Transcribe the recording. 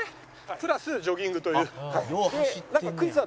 プラスジョギングという。